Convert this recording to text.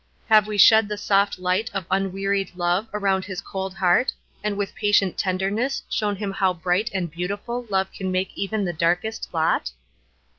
Have we shed the soft light of unwearied love around his cold heart, and with patient tenderness shown him how bright and beautiful love can make even the darkest lot?